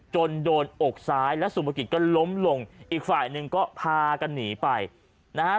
โดนอกซ้ายและสุภกิจก็ล้มลงอีกฝ่ายหนึ่งก็พากันหนีไปนะฮะ